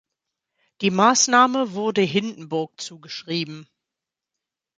Die Maßnahme wurde Hindenburg zugeschrieben.